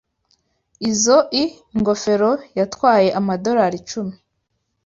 Izoi ngofero yantwaye amadorari icumi